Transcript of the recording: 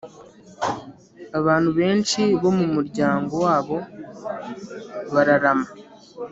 Abantu benshi bo mumuryango wabo bararama